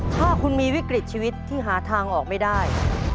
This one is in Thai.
ถ้าคุณมีวิกฤตชีวิตที่หาทางออกไม่ได้